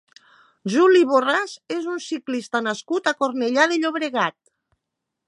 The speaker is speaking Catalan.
Juli Borràs és un ciclista nascut a Cornellà de Llobregat.